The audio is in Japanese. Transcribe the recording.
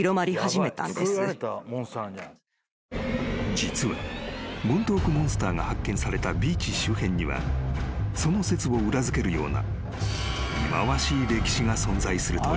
［実はモントークモンスターが発見されたビーチ周辺にはその説を裏付けるような忌まわしい歴史が存在するという］